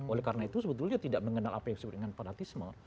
oleh karena itu sebetulnya tidak mengenal apa yang disebut dengan fanatisme